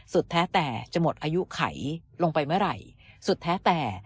แท้แต่จะหมดอายุไขลงไปเมื่อไหร่สุดแท้แต่